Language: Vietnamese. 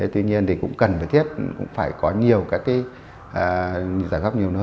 tuy nhiên thì cũng cần phải thiết cũng phải có nhiều các cái giải pháp nhiều nữa